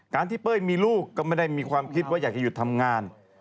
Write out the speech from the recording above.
ที่เป้ยมีลูกก็ไม่ได้มีความคิดว่าอยากจะหยุดทำงาน